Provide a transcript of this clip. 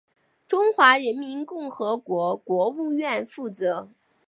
中华人民共和国国务院负责。